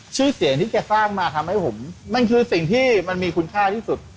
ชื่อเสียงที่แกสร้างมาทำให้ผมมันคือสิ่งที่มันมีคุณค่าที่สุด